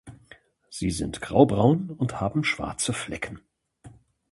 Sie sind graubraun und haben schwarze Flecken.